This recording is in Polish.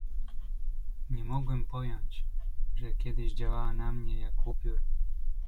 "Nie mogłem pojąć, że kiedyś działała na mnie jak upiór!"